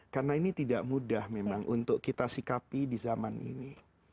karena ini tidak mudah memang untuk kita sikapi di zaman ini